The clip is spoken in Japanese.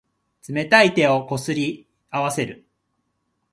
冷たい手をこすり合わせる。